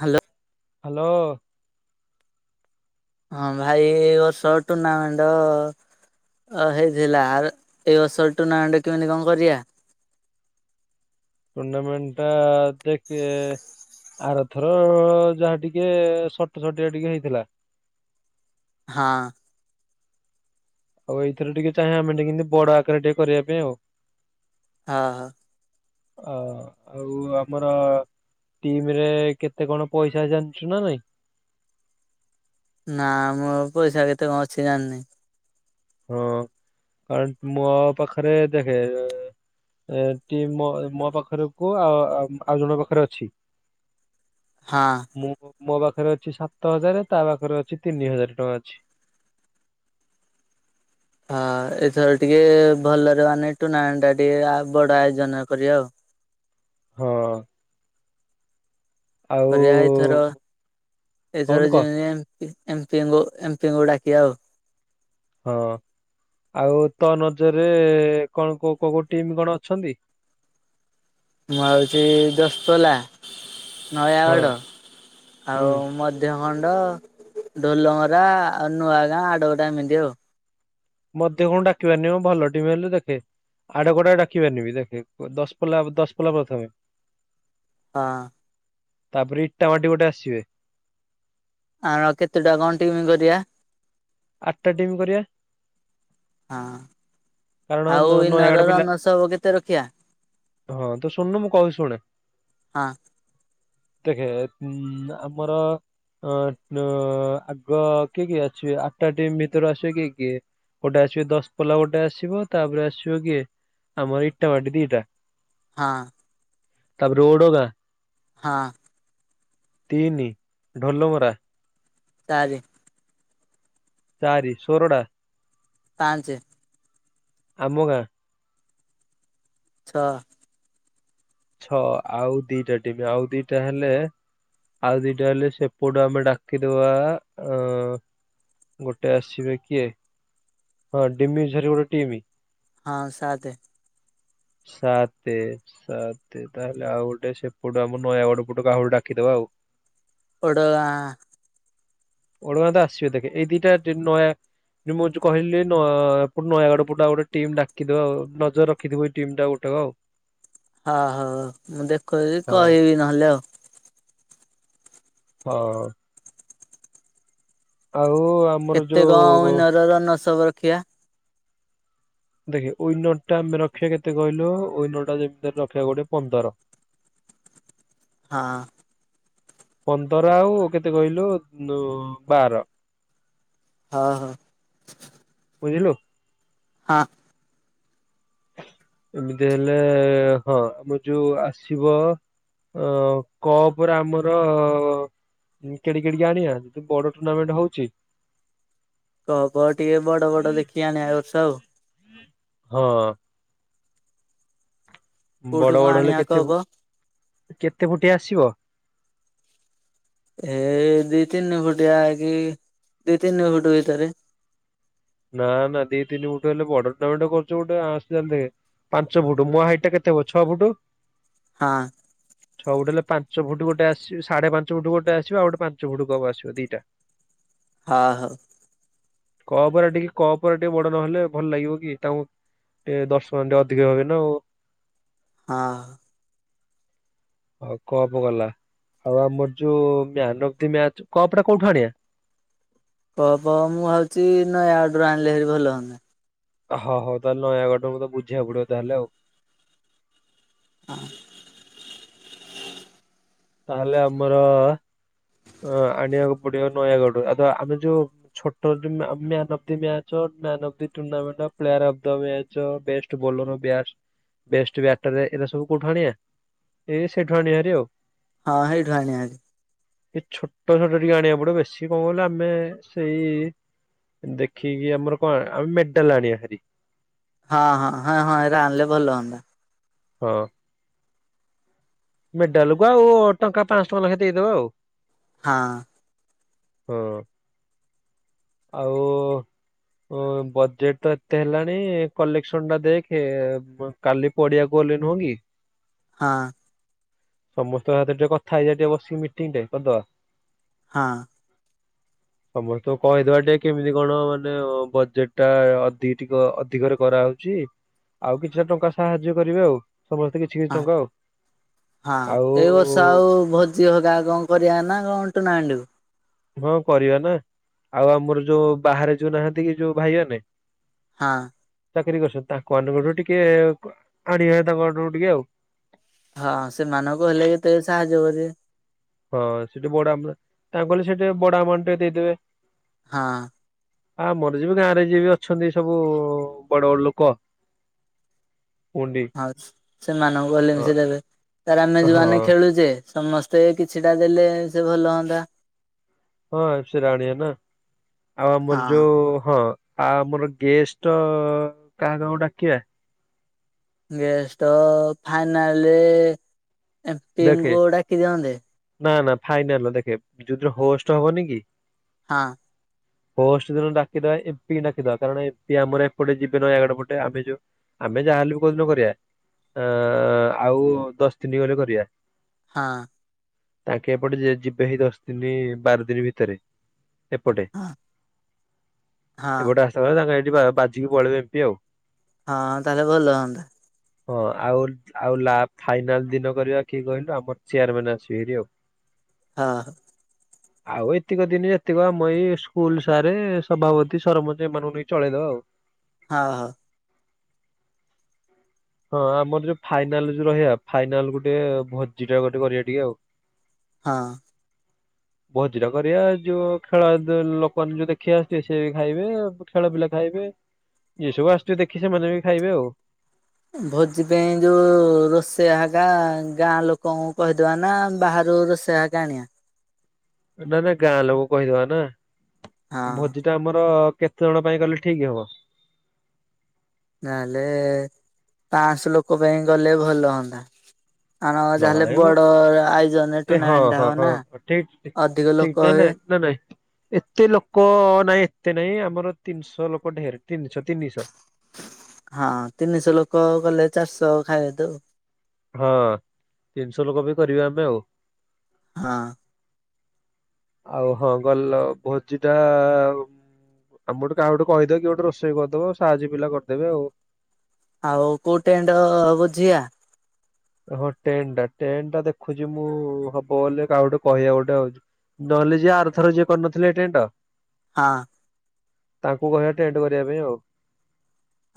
Hello. Hello. ହଁ, ଭାଇ, ଏ ବର୍ଷ ଟୁର୍ଣ୍ଣାମେଣ୍ଟ ଅ ହେଇଥିଲା ଆର୍-ଏଇ ବର୍ଷ ଟୁର୍ଣ୍ଣାମେଣ୍ଟ କେମିତି କଣ କରିବା? ଟୁର୍ଣ୍ଣାମେଣ୍ଟ ଟା ଦେଖେ ଆରଥର ଯାହା ଟିକେ ସଟ ସଟିଆ ଟିକେ ହେଇଥିଲା। ହଁ। ଆଉ ଏଇଥିରେ ଟିକେ ଚାହିଁଵା, ଆମେ ଟିକେ କିନ୍ତି ବଡ ଆକାରରେ ଟିକେ କରିବା ପାଇଁ, ଆଉ। ହଁ ହଁ। ଅ ଆଉ ଆମର ଟିମ୍ ରେ କେତେ କଣ ପଇସା ଜାଣିଛୁ ନା ନାଇଁ? ନା ଆମର ପଇସା କେତେ କଣ ଅଛି ଜାଣିନି? ହଁ ଆରେ ମୋ ପାଖରେ ଦେଖେ ଏଠି ମୋ ମୋ ପାଖରକୁ ଆ ଆଉ ଜଣଙ୍କ ପାଖରେ ଅଛି। [inaudible] ହଁ। ମୁଁ ମୋ ପାଖରେ ଅଛି ସାତ ହଜାରେ ତା ପାଖରେ ଅଛି ତିନି ହଜାରେ ଟଙ୍କା ଅଛି। ହଁ ଏଥର ଟିକେ ଭଲରେ ମାନେ ଟୁର୍ଣ୍ଣାମେଣ୍ଟ ଟା ଟିକେ ବଡ ଆୟୋଜନ କରିବା ଆଉ। ହଁ। ଆଉ କରିବା ଏଥର କହୁନୁ ଏଥର କହ ଯେମିତି ଏମପିଙ୍କୁ ଏପିହାଙ୍କୁ ଡାକିବା ଆଉ। ହଁ, ଆଉ ତୋ ନଜରରେ କଣ କୋଉ କୋଉ କୋଉ ଟିମ୍ କଣ ଅଛନ୍ତି? ମୁଁ ହେଉଛି ଦଶପଲା, ହଁ ନୟାଗଡ଼ ହୁଁ ଆଉ ମ ଦେହ ଖଣ୍ଡ, ଡୋଲମରା ଆଉ ନୂଆ ଗାଁ ଆଡ଼ ଗୋଟେ ଏମିତି ଆଉ। ମତେ କଣ ଡାକିବାରନିଁ, ଭଲ ଟିମ୍ ହେଲେ ଦେଖେ। ଆଡକଟା ଡ଼ାକିବା ନି ବି ଦେଖେ, ଦଶପଲା ଦଶପଲା ପ୍ରଥମେ। ହଁ। ତାପରେ, ଇଟାଭାଟି ଗୋଟେ ଆସିବେ। ଆଁ, କେତୁଟା କଣ ଟିମ୍ କରିବା? ଆଟା ଟିମ୍ କରିଆ। ହଁ କାରଣ ନ ଆଉ ଇ ନୟାଗଡ ନରର ପିଲା ରନର୍ ସବୁ କେତେ ରଖିଆ? ହଁ, ତୁ ଶୁଣୁନୁ, ମୁଁ କହୁଛି ଶୁଣେ। ହଁ ଦେଖେ, ଉଁ ଆମର ଅ ଅ ଆଗ କିଏ କିଏ ଅଛି? ଆଟା ଟିମ୍ ଭିତରୁ ଆସିବ କିଏ କିଏ? ଗୋଟେ ଆସିବେ, ଦଶ ପୋଲା ଗୋଟେ ଆସ୍ ସିବ ତାପରେ ଆସିବ କିଏ? ଆମ ଇଟାଭାଟି ଦିଇଟା। ହଁ। ତା ପରେ ଓଡଗାଁ। ହଁ। ତିନି ଢୋଲମରା ଚାରି। ଚାରି ଶୋରଡା। ପାଞ୍ଚେ। ଆମ ଗାଁ। ଛଅ। ଛ ଆଉ ଦିଟା ଟିମ ଆଉ ଦିଟା ହେଲେ ଆଉ ଦିଟା ହେଲେ ସେପଟୁ ଆମେ ଡାକିଦବା ଅ ଗୋଟେ ଆସିବେ କିଏ? ହଁ ଡିମିଝରି ଗୋଟେ ଟିମି। ହଁ ସାତେ। ସାତେ ସାତେ ତାହେଲେ ଆଉ ଗୋଟେ ସେପଟୁ ଆମ ନୟାଗଡ ପଟୁ କାହାକୁ ଡାକିଦବା ଆଉ। ଓଡ଼ ଗାଁ ଓଡ଼ଗାଁ ତ ଆସିବେ ଦେଖେ ଏ ଦିଟା ଟିମ ନୟା ଯୋଉ ମୁଁ ଯୋଉ କହିଲି ନ ପୁ ନୟାଗଡ଼ ପଟୁ ଆଉ ଗୋଟେ ଟିମ୍ ଡକିଦେବା ଆଉ ନଜର ରଖିଥିବୁ ଏଇ ଟିମ୍ ଟା ଗୋଟକ ଆଉ। [inaudible] ହଁ ହଁ ମୁଁ ଦେଖୁଛି ହଁ କହିବି ନହେଲେ ଆଉ। ହଁ। ଆଉ ଆ କେତେ କଣ ଉଇନର ରନର୍ସଅପ ରଖିବା? ଦେଖେ ଉଇନର ଟା ଆମେ ରଖିବା କେତେ କହିଲୁ ଉଇନରଟା ଯେମିତିରେ ରଖିବା ଗୋଟେ ପନ୍ଦର। [inaudible] ହଁ। ପନ୍ଦର ଆଉ କେତେ କହିଲୁ ଉଁ ବାର। [inaudible] ହଁ ହଁ। ବୁଝିଲୁ? ହଁ। ଏମିତି ହେଲେ ହଁ ମୁଁ ଯୋଉ ଆସିବ ଅ କପରେ ଆମର ଉଁ କେଡିି କେଡିକି ଆଣିଆ ବଡ ଟୁର୍ଣ୍ଣାମେଣ୍ଟ ହଉଛି। କପ ଟିକେ ବଡ ବଡ ଦେଖିକି ଆଣିଆ ଏ ବର୍ଷ ଆଉ ହଁ। କୋଉଠୁ ବଡ କଣ ବଡ ହେଲେ ଆଣିବା କେତେ କପ କେତେ ଫୁଟିଆ ଆସିବ? ଏ ଦି ତିନି ଫୁଟିଆ କି ଦି ତିନି ଫୁଟ ଭିତରେ। ନାଁ ନାଁ ଦୀ ତିନି ଫୁଟୁ ହେଲେ ବଡ଼ ଟୁର୍ନାମେଣ୍ଟ କରୁଚ ଗୋଟେ ଆସେ ଯେମତି। ପାଞ୍ଚ ଫୁଟୁ ମୋ ହାଇଟ ଟା କେତେ ହବ ଛଅ ଫୁଟୁ? ହଁ। ଛଅ ଫୁଟ୍ ହେଲେ ପାଞ୍ଚ ଫୁଟ୍ ଗୋଟେ ଆସି ସାଢେ ପାଞ୍ଚ ଫୁଟ୍ଟ ଗୋଟେ ଆସିବ ଆଉ ଗୋଟେ ପାଞ୍ଚ ଫୁଟ୍ କପ ଆସିବ ଦିଟା। ହଁ ହଁ। ଉପରେ ଟିକେ କପ ଟିକେ ବଡ ନହେଲେ ଭଲ ଲାଗିବ କି ତା ଉଁ ଟିକେ ଦର୍ଶକମାନେ ଟିକେ ଅଧିକ ହବେ ନା ଆଉ। ହଁ। ହୋଉ କପ୍ ଗଲା ଆଉ ଆମର ଯୋଉ man of the match, cup ଟା କୋଉଠୁ ଆଣିବା? କପ ମୁଁ ଭାବୁଛି ନୟାଗଡରୁ ଆଣିଲେ ହେରି ଭଲ ହଅନ୍ତା। ହଁ ହୋଉ ତାହେଲେ ନୟାଗଡରୁ ବୋଧେ ବୁଝିବାକୁ ପଡିବ ତାହେଲେ ଆଉ। ହଁ। ତାହେଲେ ଆମର ଅ ଆଣିବାକୁ ପଡିବ ନୟାଗଡରୁ ଆ ଆମେ ଯୋଉ ଛୋଟ of the map the match, man of the tournament, player of ଦ [unintelligible] ଚ best bowler best best batter ଏରା ସବୁ କୋଉଠୁ ଆଣିବା? ଇଏ ସେଇଠୁ ଆଣିବାହାରି ଆଉ। ହଁ ହେଇଠୁ ଆଣିବା ହେରି। ଏ ଛୋଟ ଛୋଟ ଟିକେ ଆଣିବାକୁ ପଡିବ। ବେଶୀ କଣ କହିଲ ଆମେ ସେଇ ଦେଖିକି ଆମର କଁ ଆଣ, ଆମେ ମେଡାଲ ଆଣିବା ହେରି। ହଁ ହଁ ହଁ ହଁ ଏରା ଆଣିଲେ ଭଲ ହନ୍ତା। ହଁ। ମେଡାଲକୁ ଆଉ ଟଙ୍କା ପାଁସ ଟଙ୍କା ଲେଖା ଦେଇଦବା ଆଉ। ହଁ। ହଁ। ଆଉ ଉଁ ବଜେଟ ତ ଏତେ ହେଲାଣି କଲେକ୍ସନ ଟା ଦେଖେ। କାଲି ପଡିଆକୁ ଗଲେ ନୁହଁ କି ହଁ। ସମସ୍ତଙ୍କ ସାଥିରେ ଟିକେ କଥା ହେଇଯାଇଥିବା ବସିକି ମିଟିଂଟେ କରିଦବା। ହଁ। ସମସ୍ତଙ୍କ କହିଦବା ଟିକେ କେମିତି କଣ ମାନେ ଅ ବଜେଟଟା ଅଧିକ ଟିକେ ମାନେ ଅଧିକରେ କରାହେଉଚି ଆଉ କିଛିଟା ଟଙ୍କା ସାହାଯ୍ୟ କରିବେ ଆଉ। ସମସ୍ତେ କିଛି କିଛି ହଁ ଟଙ୍କା ଆଉ ହଁ ଆଉ ଏଇ ବର୍ଷ ଆଉ ଭୋ [unintelligible] ହଁ କରିବା ନା, ଆଉ ଆମର ଯୋଉ ବାହାରେ ଯୋଉ ନାହାନ୍ତି କି ଯୋଉ ଭାଇ ମାନେ ହାଁ। ଚାକିରି କରିସନ୍ତି, ତାଙ୍କ ମାନଙ୍କଠୁ ଟିକେ ଆଣିବା ତାଙ୍କମାନଙ୍କୁ ଟିକେ ଆଉ। ହଁ ସେମାନଙ୍କୁ କହିଲେ କେତେବେଳେ ସାହାର୍ଯ୍ୟ କରିବେ। ହଁ ସେଠି ବଡ ଆମଉ ତାଙ୍କୁ କହିଲେ ସେ ଟିକେ ବଡ ଆମାଉଣ୍ଟ ଟିକେ ଦେଇଦେବେ। ହଁ। ଆମର ଯିବି ଗାଁ ରେ ଯିଏ ବି ଅଛନ୍ତି ସବୁ ବଡ ବଡ ଲୋକ କୁହନ୍ତି ହଁସ ସେମାନଙ୍କୁ କହିଲେମି ସେ ଦେବେ। ଆମେ ହଁ ଯୋଉମାନେ ଖେଳୁଛେ ସମସ୍ତେ କିଛିଟା ଦେଲେ ସେ ଭଲ ହଅନ୍ତା। ହଁ ସେରା ଆଣିନା। ଆଉ ଆମର ହଁ। ଯୋଉ ହଁ ଆଉ ଆମର ଗେଷ୍ଟ କାହା କାହାକୁ ଡାକିବା? ଗେଷ୍ଟ ଫାଇନାଲି ଦେଖେ ଏମପିଙ୍କୁ ଡାକି ଦିଅନ୍ତେ। ନା ନା ଫାଇନାଲ ଦେଖେ, ଯୋଉଦିନ ହୋଷ୍ଟ ହବନି କି ହଁ। ହୋଷ୍ଟ ଦିନ ଡାକିଦବା ଏମପିଙ୍କି ଡାକିଦବା। କାରଣ ଏମପି ଆମର ଏପଟେ ଯିବେ ନୟାଗଡ ପଟେ। ଆମେ ଯୋଉ ଆମେ ଯାହାହଲେ ବି କୋଉଦିନ କରିଆ ଆଁ ଆଉ ଦଶ ଦିନି ଗଲେ କରିବା। ହଁ। ତାଙ୍କେ ଏପଟେ ଯିବେ ଦଶ ଦିନି ବାର ଦିନି ଭିତରେ। ଏପଟେ, ହଁ ହଁ ଏପଟେ ଆସ ତଳେ ତାଙ୍କ ହେଠି ବା ବାଜିକି ପଳେଇବେ ଏମପି ଆଉ। ହଁ ତାହେଲେ ଭଲ ହଅନ୍ତା। ହଁ ଆଉଲ ଆଉ ଲା ଫାଇନାଲ ଦିନ କରିବା କିଏ କହିଲୁ ଆମର ଚେୟାରମ୍ୟାନ ଆସିବେ ହେରି ଆଉ। ହଁ। ଆଉ ଏତିକ ଦିନ ଯେତିକ ଆମ ଏଇ ସ୍କୁଲ ସାରେ ସଭାପତି ସରପଞ୍ଚ ଏମାନଙ୍କୁ ନେଇି ଚଳେଇଦବା ଆଉ। ହଅ ହଁ ଆମର ଯୋଉ ଫାଇନାଲ ଯୋଉ ରହିବା ଫାଇନାଲଗୋଟେ ଭୋଜି ଟା ଗୋଟେ କରିବା ଟିକେ ଆଉ। ହଁ। ଭଜିଟା କରିବା ଯୋଉ ଖେଳ ଲୋକମାନେ ଯୋଉ ଦେଖିବା ଆସିବେ ସେ ବି ଖାଇବେ ଖେଳ ପିଲା ଖାଇବେ ଯିଏ ସବୁ ଆସୁିଥିବେ ଦେଖି ସେମାନେ ବି ଖାଇବେ ଆଉ। ଭୋଜି ପାଇଁ ଯୋଉ ରୋଷେଇଆ ହାଗା ଗାଁ ଲୋକଙ୍କୁ କହିଦେବା ନା ବାହାରୁ ରୋଷେଇ ଆକା ଆଣିବା। ନା ନା ଗାଁ ଲୋକ କୁ କହିଦବା ନା ହଁ ଭଜି ଟା ଆମର କେତେ ଜଣ ପାଇଁ କଲେ ଠିକ ହବ? ନହେଲେ ପାଁଶହ ଲୋକ ପାଇଁ କଲେ ଭଲ ହୁଅନ୍ତା। ଆମର ଯାହାେଲେ ନାଇଁ ମ ବଡ ଆୟୋଜନରେ ଏ ହଁ ଟୁର୍ଣ୍ଣାମେଣ୍ଟ ହଁ ହବ ହଁ ନା ଠିକ ଅଧିକ ଠିକ ଲୋକ ନାଇଁ ନାଇଁ ହେବେ ନାଇଁ ନାଇଁ ଏ [inaudible] ଏତେ ଲୋକ ନାଇଁ ଏତେ ନାଇଁ ଆମର ତିନିଶହ ଲୋକ ଢେର ତିନିଶହ ତିନିଶହ ହଁ ତିନିଶହ ଲୋକ କଲେ ଚାରିଶହ ଖାଇବା ଦଉ ହଁ ତିନିଶହ ଲୋକ ବି କରିବା ଆମେ ଆଉ ହଁ ଆଉ ହଁ ଗଲ ଭୋଜି ଟା ଆଉ ଆମର କାହାକୁ ଗୋଟେ କହିଦେବ କି ଗୋଟେ ରୋଷେଇ କରିଦବ ସାହାଯ୍ୟ ପିଲା କରିଦେବେ ଆଉ। ଆଉ କୋଉ ଟେଣ୍ଡ ବୁଝିଆ? ହଁ ଟେନ୍ ଟା ଟେନ୍ ଟା ଦେଖୁଛି ମୁଁ ହବ ବୋଲି କାହା ଗୋଟେ କହିବାକୁ ଗୋଟେ ହଉଛି ନହେଲେ ଯିଏ ଆରଥର ଯିଏ କରିନଥିଲେ ଟେଣ୍ଟ ହଁ ତାଙ୍କୁ କହିବା ଟେଣ୍ଟ କରିବା ପାଇଁ ଆଉ।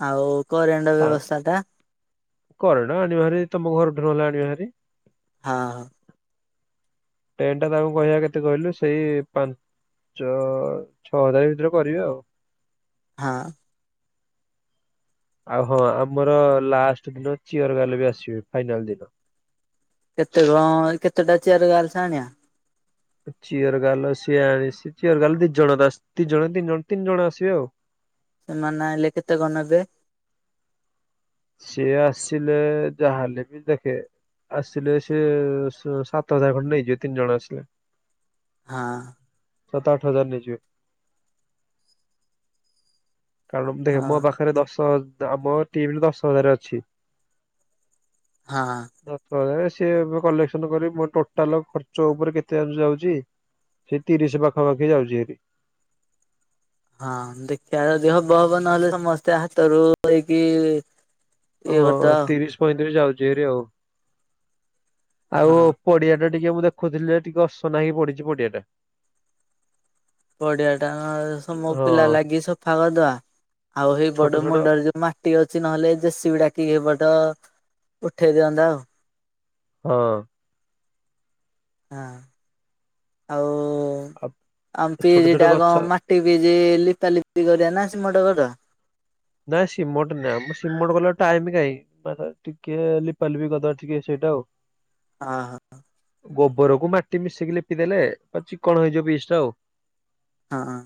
ଆଉ କରେଣ୍ଟ ତା ବ୍ୟବସ୍ଥା ଟା? କରେଣ୍ଟ ଆଣିବା ହେରି ତମ ଘରଠୁ ନହେଲେ ଆଣିବା ହେରି ହଁ ଟେଣ୍ଟ ତାଙ୍କୁ କହିବା କେତେ କହିଲୁ ସେଇ ପା ଞ୍ଚ ଛଅ ହଜାର ଭିତରେ କରିବେ ଆଉ। ହଁ। ଆଉ ହଁ ଆମର ଲାଷ୍ଟ ଦିନ ଚିଅର ବାଲା ବି ଆସିବେ ଫାଇନାଲ ଦିନ। କେତେ କଣ କେତେଟା ଚେୟାର ଗଲଛ ଆଣିବା? ଚିୟର ଗାଲ ସିଏ ଆଣିି ଚିୟର ଗାଲ ଦି ଜଣ ଦି ଜଣ ତିନି ଜଣ ତିନି ଜଣ ଆସିବେ ଆଉ ସେମାନେ ଆଇଲେ କେତେ କଣ ନେବେ? ସିଏ ଆସିଲେ ଯାହାହେଲେ ବି ଦେଖେ ଆସିଲେ ସେ ସାତ ହଜାର ଖଣ୍ଡେ ନେଇଯିବେ ତିନି ଜଣ ଆସିଲେ। ହଁ। ସାତ ଆଠ ହଜାର ନେଇ ଯିବେ। କାରଣ ମୁ ଦେଖ ହଁ ମୋ ପାଖରେ ଦଶ ହ ଆମ ଟିମରେ ଦଶ ହଜାର ଅଛି। ହଁ। ଦଶ ହଜାରେ ସିଏ ଏବେ କଲେକ୍ସନ କରି କଲେ ମୋ ଟୋଟାଲ ଖର୍ଚ୍ଚ ଉପରେ କେତେ କଣ ଯାଉଛି ସେ ତିରିଶ ପାଖପାଖି ଯାଉଛି ହେରି। ହଁ ଦେଖିବା ଯଦି ହବ ହବ ନହେଲେ ସମସ୍ତେ ହାତରୁ ହେଇକି ଇଏ ହଁ କରିଦବା ତିରିଶ ପଇଁତିରିଶ ଯାଉଛି ଏରେ ଆଉ। ଆଉ ପଡିଆ ଟା ଟିକେ ମୁଁ ଦେଖୁଥିଲି ଟିକେ ଅସନା ହେଇି ପଡିଛି ପଡିଆ ଟା। ପଡିଆ ଟା ନ ମୋ ପିଲା ହଁ। ଲାଗି ସଫା କରିଦବା ଆଉ ସେଇ ଛୋଟ ବଡ ଛୋଟ ମୁଣ୍ଡରେ ଯୋଉ ମା ଟି ଅଛି ନହେଲେ ସିଉ ଡାକି ସେପଟ ଉଠେଇ ଦିଅନ୍ତା ଆଉ। ହଁ। ହଁ ଆଉ ଆଉ ଆମ ଛୋଟ ଛୋଟ ପିରିଟା ଗଛ କଣ ମା [unintelligible] ଲିପାଲିିପି କରିବା ନା ସିମେଣ୍ଟ କରିଦବା। ନାାଇଁ ସିମଣ୍ଟ ନା ଆମ ସିମଣ୍ଟ କଲା ଟାଇମ କାହିଁ। [unintelligible] ଟିକେ ଲିପାଲିପି କରିଦେବା ଟିକେ ସେଇଟା ଆଉ। ଆ ଆ ଆ ଗୋବରକୁୁ ମାଟି ମିଶିକି ଲିପିଦେଲେ ଚିକଣ ହେଇଯିବ ପିସ୍ ଟା ଆଉ ହଁ ହଁ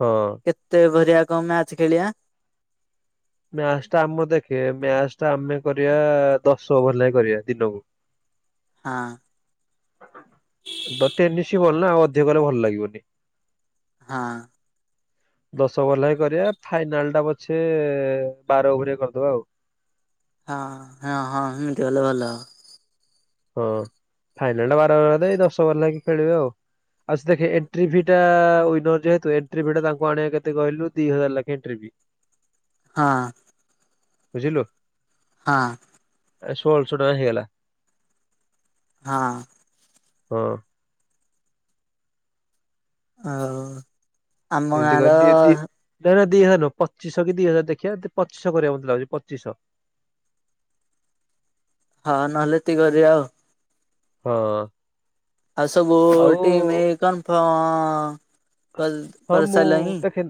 ହଁ କେତେ ଓଭରିଆ କଣ ମ୍ୟାଚ ଖେଳିବା? ମ୍ୟାଚ ଟା ଆମ ଦେଖେ ମ୍ୟାଚ ଟା ଆମେ କରିବା ଦଶ ଓଭର ଲେଖା କରିବା ଦିନକୁ। ହଁ ତ ଟେନିସ ବଲ ନା ଅଧିକ କଲେ ଭଲ ଲାଗିବନି। ହଁ ଦଶ ଓଭର ଲେଖା କରିବା ଫାଇନାଲ ଟା ପଛେ ବାର ଓଭରିଆ କରିଦବା ଆଉ। ହଁ ହଁ ହଁ ହେମିତି ହେଲେ ଭଲ ହେବ। ହଁ ଫାଇନାଲ ଟା ବାରର ଦେଇ ଦଶ ଓବର ଲାଗି ଖେଳିବେ ଆଉ। ଆ ଦେଖେ ଏଣ୍ଟ୍ରି ଫି ଟା ୱନର ଯେହେତୁ ଏଣ୍ଟ୍ରି ଫି ଟା ତାଙ୍କୁ ଆଣିବା କେତେ କହିଲୁ ଦି ହଜାର ଲଖେ ଏଣ୍ଟ୍ରି ଫି। ହଁ ବୁଝିଲୁ ହଁ ଷୋହଳଶହ ଟଙ୍କା ହେଇଗଲା। ହଁ ହଁ ହଉ ଏମିତି କରିଦିଏ ତି ନାଇଁ ନା ଦି ହଜାର ନହଁ ପଚିଶ କି ଦି ହଜାର ଦେଖିବା ଏ ପଚିଶହ କରିବା ମତେ ଲାଗୁଛି ପଚିଶହ। ହଁ ନହେଲେ ଏତିକି କରିବା ଆଉ। ହଁ ଆ ସବୁ ଆଉ ଟିମ୍ କନଫର୍ମ କର ହଁ କରି ମୁଁ ସାରିଲେଣି? ଦେଖେ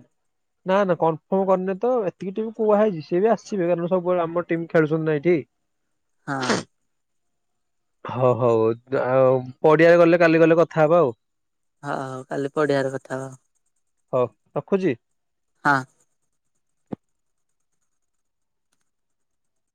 ନା ନା କନଫର୍ମ କରିନେ ତ ଏତିକି ଟିମ୍ କୁହା ହେଇଛି ସେ ବି ଆସିବେ କାରଣ ସବୁବେଳେ ଆମର ଟିମ୍ ଖେଳୁଛନ୍ତି ନାଇଁଠି। ହଁ ହଉ ହଉ ଯାହଉ ପଡିଆରେ ଗଲେ କାଲି ଗଲେ କଥା ହବା ଆଉ। ହଁ ହଉ କାଲି ପଡିଆାର କଥା ହେବା। ହଉ ରଖୁଛି। ହଁ